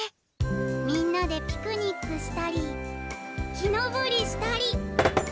みんなでピクニックしたり木登りしたり。